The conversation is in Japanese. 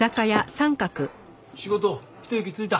仕事ひと息ついた？